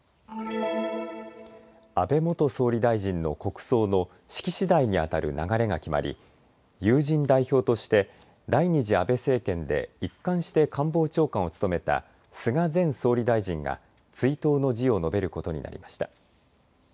安倍元総理大臣の国葬の式次第にあたる流れが決まり友人代表として第２次安倍政権で一貫して官房長官を務めた菅前総理大臣が追悼の辞を述べることになりました。